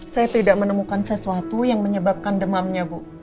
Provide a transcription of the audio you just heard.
saya tidak menemukan sesuatu yang menyebabkan demamnya bu